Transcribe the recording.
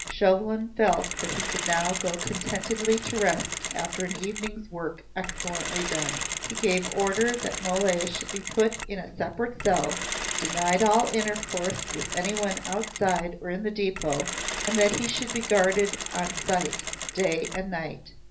Chauvelin felt that he could now go contentedly to rest after an evening's work excellently done. He gave order that Mole should be put in a separate cell, denied all intercourse with anyone outside or in the depot, and that he should be guarded on sight day and night.